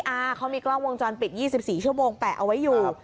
อ่าเขามีกล้องวงจรปิด๒๔ชั่วโมงแปะเอาไว้อยู่